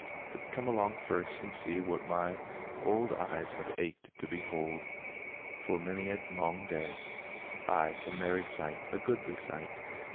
But come along first and .sec what my old eyes have ached to behold for INTERREGNUM. 203 many a long day. Ay, a merry sight — a goodly sight